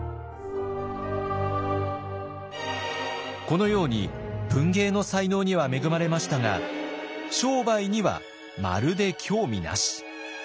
このように文芸の才能には恵まれましたが商売にはまるで興味なし。